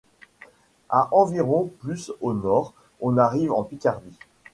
À environ plus au nord, on arrive en Picardie.